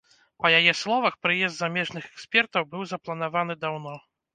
Па яе словах, прыезд замежных экспертаў быў запланаваны даўно.